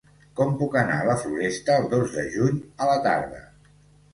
Com puc anar a la Floresta el dos de juny a la tarda?